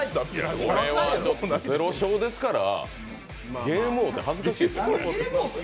これは０勝ですからゲーム王って恥ずかしい。